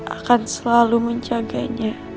akan selalu menjaganya